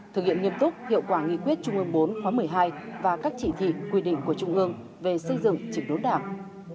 thực hiện nghiêm túc hiệu quả nghị quyết trung ương bốn khóa một mươi hai và các chỉ thị quy định của trung ương về xây dựng chỉnh đốn đảng